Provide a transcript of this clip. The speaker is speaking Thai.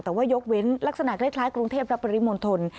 แต่ว่ายกเว้นลักษณะคล้ายกรุงเทพและปริมณฑล